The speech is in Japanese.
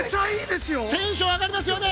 テンション上がりますよね。